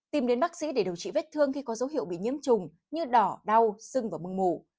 tìm đến bác sĩ để điều trị vết thương khi có dấu hiệu bị nhiễm trùng như đỏ đau sưng và mương mủ